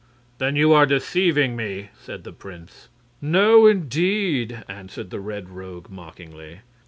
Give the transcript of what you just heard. "Then you are deceiving me," said the prince. "No, indeed!" answered the Red Rogue, mockingly.